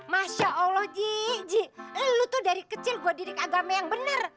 masya allah ji ji lo tuh dari kecil gue didik agama yang benar